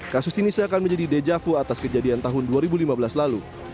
kasus ini seakan menjadi dejavu atas kejadian tahun dua ribu lima belas lalu